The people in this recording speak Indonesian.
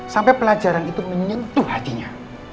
sampai pelajaran itu menyentuh hatinya